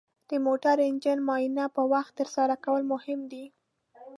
د موټر انجن معاینه په وخت ترسره کول مهم دي.